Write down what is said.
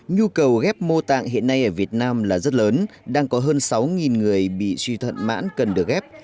nhu cầu ghép mô tạng hiện nay ở việt nam là rất lớn đang có hơn sáu người bị suy thận mãn cần được ghép